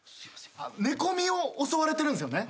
寝込みを襲われてるんすよね。